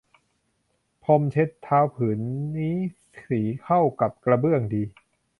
พรมเช็ดเท้าผืนนี้สีเข้ากับกระเบื้องดี